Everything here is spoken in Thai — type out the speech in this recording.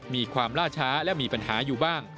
มีความล่าช้าและมีปัญหาอยู่บ้าง